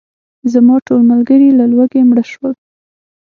زما ټول ملګري له لوږې مړه شول.